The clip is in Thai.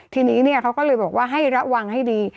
ทีนี้เขาก็เลยบอกว่าให้ระวังให้ดี